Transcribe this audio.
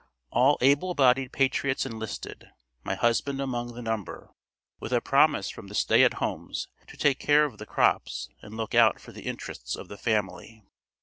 All able bodied patriots enlisted, my husband among the number, with a promise from the stay at homes to take care of the crops and look out for the interests of the family.